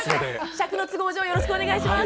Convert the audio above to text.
尺の都合上よろしくお願いします。